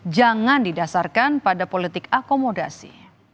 jangan didasarkan pada politik akomodasi